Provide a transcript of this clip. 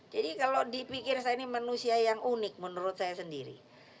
jadi kalau dipikir saya ini manusia yang unik menurut saya sendiri